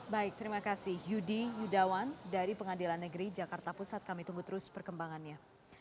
baik terima kasih yudi yudawan dari pengadilan negeri jakarta pusat kami tunggu terus perkembangannya